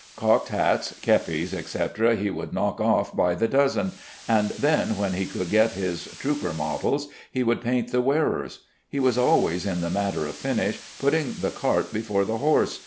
Cocked hats, kepis, etc., he would knock off by the dozen, and then, when he could get his trooper models, he would paint the wearers. He was always, in the matter of finish, putting the cart before the horse.